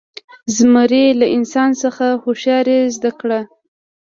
زمري له انسان څخه هوښیاري زده کړه.